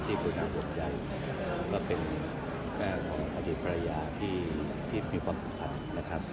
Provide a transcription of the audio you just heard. ที่ปรุงงานวงใยก็เป็นแก้งของอดีตปรายยาที่ที่มีความสุขคัญนะครับ